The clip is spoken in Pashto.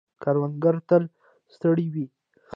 کروندگر تل ستړي وي.